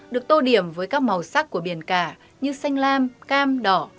được tô điểm với các màu sắc của biển cả như xanh lam cam đỏ